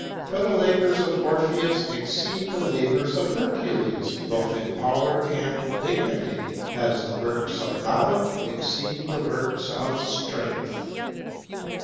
For the labors of Orpheus exceed the labors of Hercules, both in power and dignity, as the works of knowledge exceed the works of strength.